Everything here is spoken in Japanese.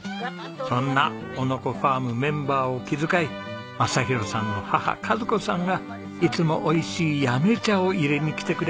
そんな男ノ子ファームメンバーを気遣い雅啓さんの母和子さんがいつもおいしい八女茶を入れに来てくれます。